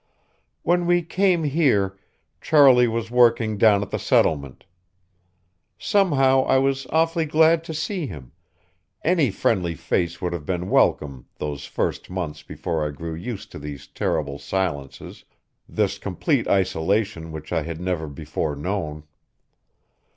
When we came here, Charlie was working down at the settlement. Somehow I was awfully glad to see him any friendly face would have been welcome those first months before I grew used to these terrible silences, this complete isolation which I had never before known.